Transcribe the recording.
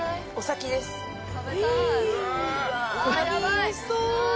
おいしそう。